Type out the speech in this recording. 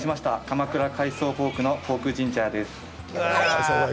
鎌倉海藻ポークのポークジンジャーです。